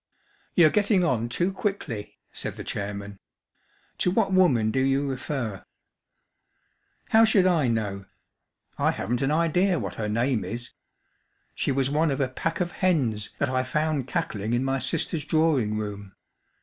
" You're getting on too quickly/' said the chairman. To what woman do you refer }" How should I know ? I haven’t an idea what her name is. She was one of a pack of hens that I found cackling in my sister's drawing room.